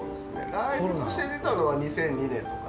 ライブとして出たのは２００２年とか。